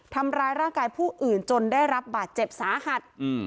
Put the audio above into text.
ทำร้ายร่างกายผู้อื่นจนได้รับบาดเจ็บสาหัส